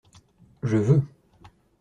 Je veux.